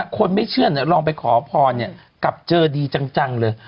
คนไม่เชื่อลองไปขอพรกลับเจอดีจังเลย